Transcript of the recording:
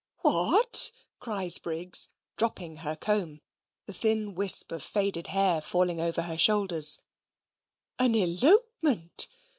"WHAT!" cries Briggs, dropping her comb, the thin wisp of faded hair falling over her shoulders; "an elopement!